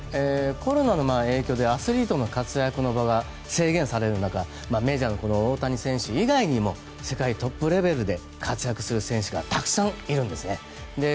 コロナの影響でアスリートの活躍の場が制限される中メジャーの大谷選手以外にも世界トップレベルで活躍する選手がたくさんいるんですね。